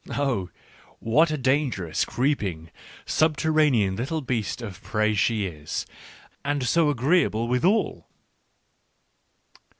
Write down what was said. ... Oh! what a dangerous, creeping, subterranean little beast of prey she is! And so agreeable withal! .